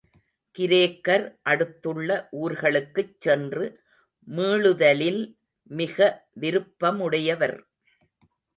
கிரேக்கர் அடுத்துள்ள ஊர்களுக்குச் சென்று மீளுதலில் மிக விருப்பமுடையவர்.